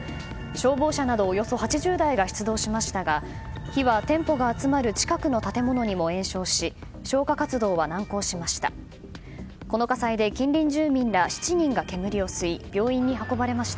消防車などおよそ８０台が出動しましたが火は店舗が集まる近くの建物にも延焼し消火活動は難航しました。